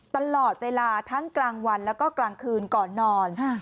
ตลอดเวลาทั้งกลางวันแล้วก็กลางคืนก่อนนอน